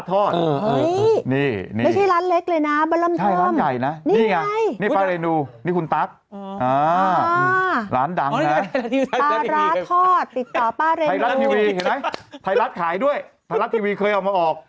ไทยรัฐขายด้วยไทยรัฐทีวีเคยเอามาออก